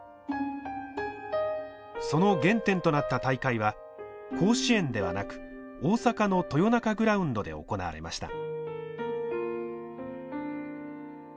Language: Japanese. その原点となった大会は甲子園ではなく大阪の豊中グラウンドで行われました。